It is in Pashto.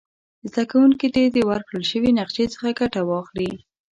زده کوونکي دې د ورکړ شوې نقشي څخه ګټه واخلي.